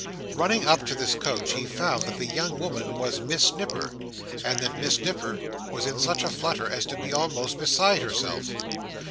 Running up to this coach, he found that the young woman was Miss Nipper, and that Miss Nipper was in such a flutter as to be almost beside herself.